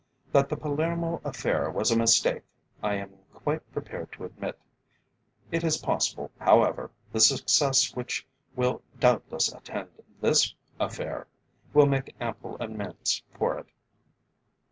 That the Palermo affair was a mistake, I am quite prepared to admit; it is possible, however, the success which will doubtless attend this affair, will make ample amends for it."